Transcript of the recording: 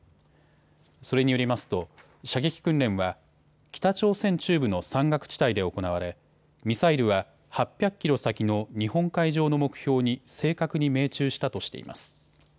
それによりますと射撃訓練は北朝鮮中部の山岳地帯で行われミサイルは８００キロ先の日本海上の目標に正確に命中したとしています。